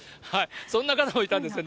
そんな方もいたんです。